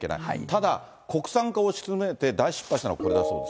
ただ、国産化を推し進めて大失敗したのがこれだそうです。